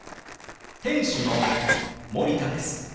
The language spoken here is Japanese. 店主の森田です。